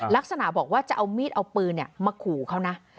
ลักษณะบอกว่าจะเอามีดเอาปืนมาขู่เขานะ